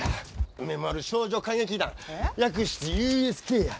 梅丸少女歌劇団略してＵＳＫや。